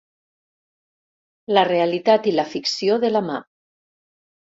La realitat i la ficció de la mà.